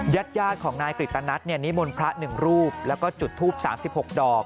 ญาติของนายกฤตนัทนิมนต์พระ๑รูปแล้วก็จุดทูป๓๖ดอก